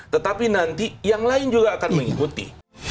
tetapi nanti yang lain juga akan mengikuti